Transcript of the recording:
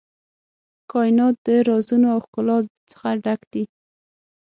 کائنات د رازونو او ښکلا څخه ډک دی.